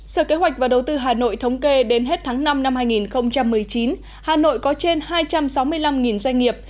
sở kế hoạch và đầu tư hà nội thống kê đến hết tháng năm năm hai nghìn một mươi chín hà nội có trên hai trăm sáu mươi năm doanh nghiệp